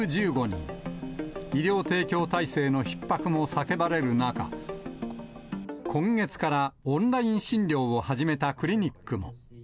医療提供体制のひっ迫も叫ばれる中、今月からオンライン診療を始めたクリニックも。